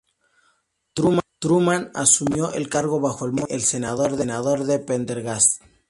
Truman asumió el cargo bajo el mote de "el senador de Pendergast.